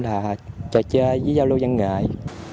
là trò chơi với giao lưu văn nghệ